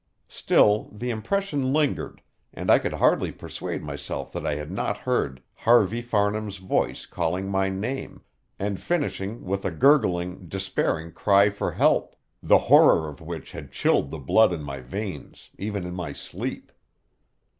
Still, the impression lingered, and I could hardly persuade myself that I had not heard Harvey Farnham's voice calling my name, and finishing with a gurgling, despairing cry for help, the horror of which had chilled the blood in my veins, even in my sleep.